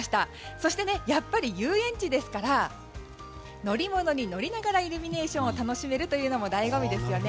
そして、遊園地ですから乗り物に乗りながらイルミネーションを楽しめるというのも醍醐味ですよね。